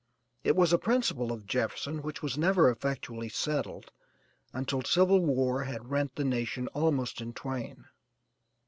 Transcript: It was a principle of Jefferson, which was never effectually settled, until civil war had rent the nation almost in twain.